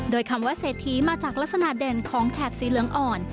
โดยคำว่าเศรษฐีมาจากลักษณะเด่นของแถบสีเหลืองอ่อน